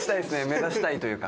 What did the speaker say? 目立ちたいというか。